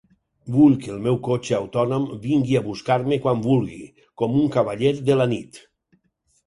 Vull que el meu cotxe autònom vingui a buscar-me quan vulgui, com un cavaller de la nit.